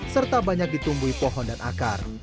serta banyak ditumbuhi pohon dan akar